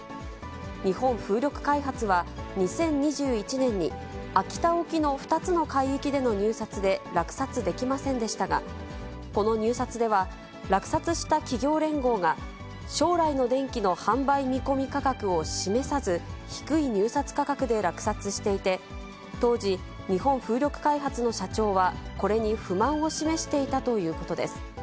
日本風力開発は、２０２１年に秋田沖の２つの海域での入札で落札できませんでしたが、この入札では、落札した企業連合が、将来の電気の販売見込み価格を示さず、低い入札価格で落札していて、当時、日本風力開発の社長は、これに不満を示していたということです。